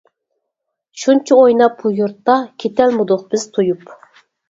شۇنچە ئويناپ بۇ يۇرتتا، كېتەلمىدۇق بىز تويۇپ.